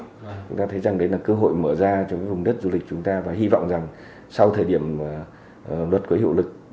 chúng ta thấy rằng đấy là cơ hội mở ra cho vùng đất du lịch chúng ta và hy vọng rằng sau thời điểm luật có hiệu lực